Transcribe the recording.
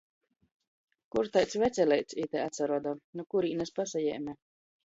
Kur taids veceleits ite atsaroda, nu kurīnis pasajēme?